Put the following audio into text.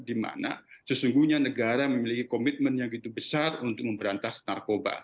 di mana sesungguhnya negara memiliki komitmen yang gitu besar untuk memberantas narkoba